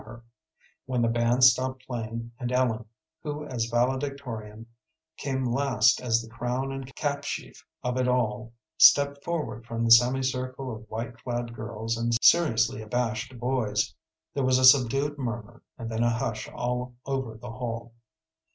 [Illustration: The valedictory] When the band stopped playing, and Ellen, who as valedictorian came last as the crown and capsheaf of it all, stepped forward from the semicircle of white clad girls and seriously abashed boys, there was a subdued murmur and then a hush all over the hall.